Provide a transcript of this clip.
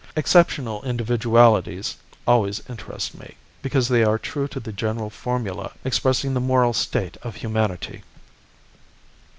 Exceptional individualities always interest me, because they are true to the general formula expressing the moral state of humanity.